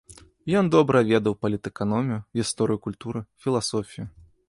Ён добра ведаў палітэканомію, гісторыю культуры, філасофію.